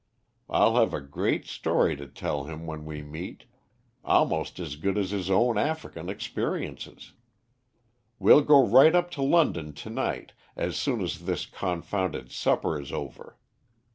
I'll have a great story to tell him when we meet; almost as good as his own African experiences. We'll go right up to London to night, as soon as this confounded supper is over.